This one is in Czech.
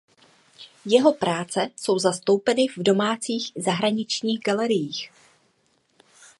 Jeho práce jsou zastoupeny v domácích i zahraničních galeriích.